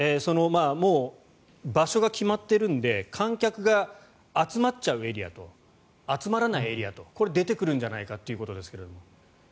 もう場所が決まっているので観客が集まっちゃうエリアと集まらないエリアとこれ、出てくるんじゃないかということですが。